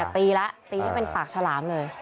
ตีละตีให้เป็นปากหัวชารามเลย